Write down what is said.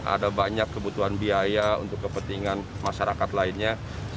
ada banyak kebutuhan biaya untuk kepentingan masyarakat lainnya